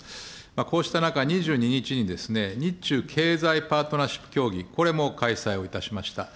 こうした中、２２日に日中経済パートナーシップ協議、これも開催をいたしました。